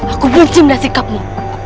aku benci mendasikapmu